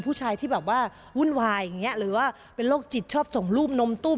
ผู้ชายที่แบบว่าวุ่นวายอย่างเงี้ยหรือว่าเป็นโรคจิตชอบส่งรูปนมตุ้ม